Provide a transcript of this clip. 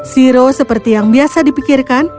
zero seperti yang biasa dipikirkan